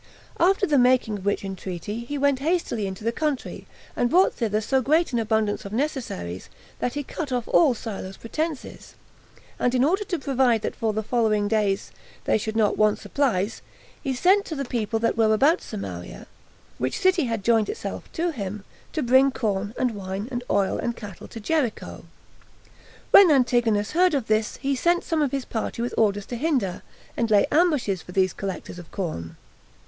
After the making of which entreaty, he went hastily into the country, and brought thither so great an abundance of necessaries, that he cut off all Silo's pretenses; and in order to provide that for the following days they should not want supplies, he sent to the people that were about Samaria [which city had joined itself to him] to bring corn, and wine, and oil, and cattle to Jericho. When Antigonus heard of this, he sent some of his party with orders to hinder, and lay ambushes for these collectors of corn.